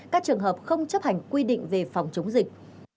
các trường hợp không chấp hành quy định về phòng chống dịch